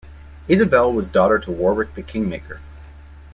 Isabel was daughter to Warwick the Kingmaker.